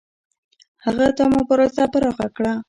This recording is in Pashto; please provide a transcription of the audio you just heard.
هغه دا مبارزه پراخه کړه.